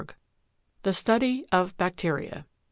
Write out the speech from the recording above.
THE STUDY OF BACTERIA.